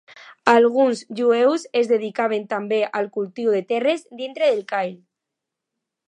Alguns jueus es dedicaven també al cultiu de terres dintre del call.